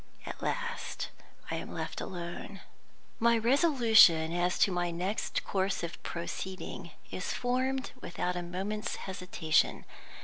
At last I am left alone. My resolution as to my next course of proceeding is formed without a moment's hesitation.